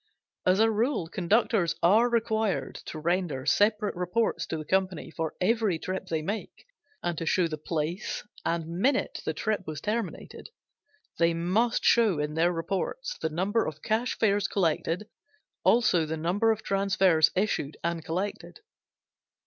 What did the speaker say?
As a rule conductors are required to render separate reports to the company for every trip they make, and to show the place and minute the trip was terminated. They must show in their reports the number of cash fares collected; also the number of transfers issued and collected.